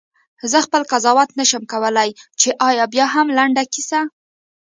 زه خپله قضاوت نه شم کولای چې آیا بیاهم لنډه کیسه.